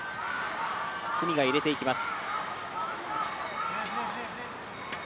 角が入れていきます。